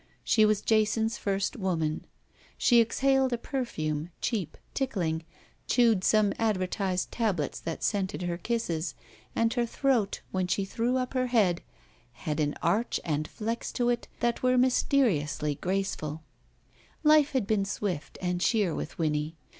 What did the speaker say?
She was Jason's first woman. She exhaled a per fume, cheap, tickling, chewed some advertised tab lets that scented her kisses, and her throat, when she threw up her head, had an arch and flex to it that were mysteriously graceful life had been swift and sheer with Winnie.